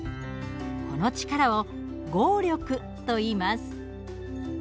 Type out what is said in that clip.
この力を合力といいます。